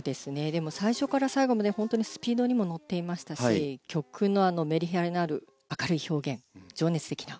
でも最初から最後まで本当にスピードに乗っていましたし曲のメリハリのある明るい表現情熱的な。